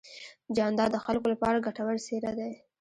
جانداد د خلکو لپاره ګټور څېرہ دی.